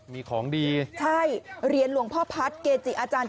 มีของดีใช่เรียนหลวงพ่อพัฒน์เกจิอาจารย์